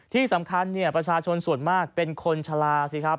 ที่สำคัญประชาชนส่วนมากเป็นคนชะลาสิครับ